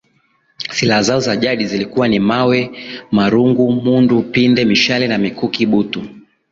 Silaha zao za jadi zilikuwa ni mawe marungu mundu pinde mishale na mikuki butu